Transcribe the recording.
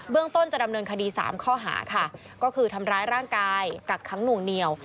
ต้นจะดำเนินคดี๓ข้อหาค่ะก็คือทำร้ายร่างกายกักขังหน่วงเหนียว